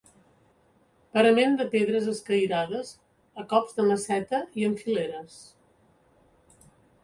Parament de pedres escairades a cops de maceta i en fileres.